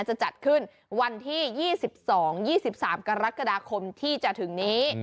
จะจัดขึ้นวันที่๒๒๒๓กรกฎาคมที่จะถึงนี้